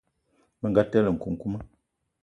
Bënga telé nkukuma.